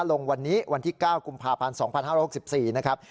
ลงวันนี้วันที่๙กุมภาพันธ์๒๕๖๔นะครับ